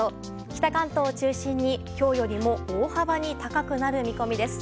北関東を中心に今日よりも大幅に高くなる見込みです。